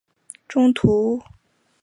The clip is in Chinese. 中途遇到京兆尹解恽和定陶王刘祉。